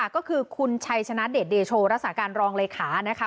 ก็คือคุณชัยชนะเดชเดชโชว์รัศกาลรองเลยคานะคะ